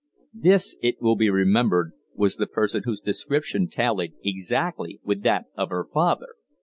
This, it will be remembered, was the person whose description tallied exactly with that of her father.